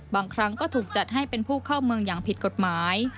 บางครั้งก็ถูกจัดให้เป็นผู้เข้าเมืองอย่างผิดกฎหมาย